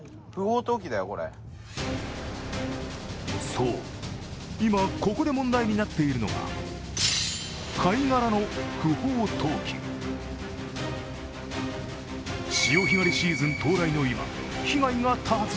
そう、今ここで問題になっているのが貝殻の不法投棄。潮干狩りシーズン到来の今、被害が多発。